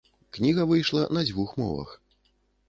Кніга выйшла на дзвюх мовах.